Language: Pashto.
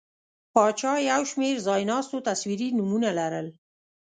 پاچا یو شمېر ځایناستو تصویري نومونه لرل.